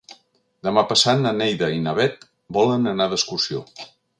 Demà passat na Neida i na Bet volen anar d'excursió.